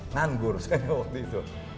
nganggur saya waktu itu